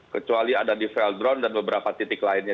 kecuali ada di veldron dan beberapa titik lainnya